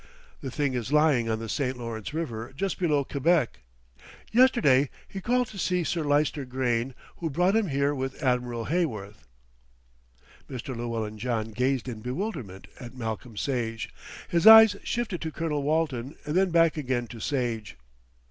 The thing is lying on the St. Lawrence River just below Quebec. Yesterday he called to see Sir Lyster Grayne, who brought him here with Admiral Heyworth." Mr. Llewellyn John gazed in bewilderment at Malcolm Sage, his eyes shifted to Colonel Walton and then back again to Sage.